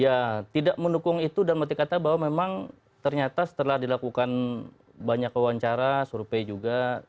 ya tidak mendukung itu dalam arti kata bahwa memang ternyata setelah dilakukan banyak wawancara survei juga